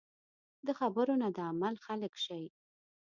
د خبرو نه د عمل خلک شئ .